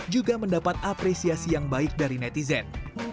juga mendapat apresiasi yang baik dari netizen